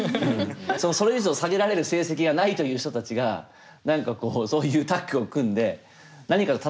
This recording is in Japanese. それ以上下げられる成績がないという人たちが何かこうそういうタッグを組んで何かと戦っている感じがあった。